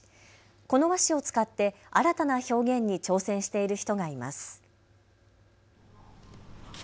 この和紙を使って新たな表現に挑戦している人がいます。